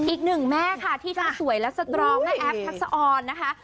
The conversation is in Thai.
อีกหนึ่งแม่ค่ะที่ทั้งสวยและสตรองแม่แอฟทักษะออนนะคะ